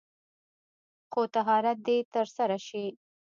خو طهارت دې تر سره شي.